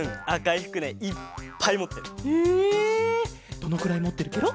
どのくらいもってるケロ？